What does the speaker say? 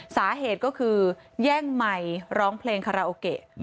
สาเหตุก็คือแย่งไมค์ร้องเพลงคาราโอเกะ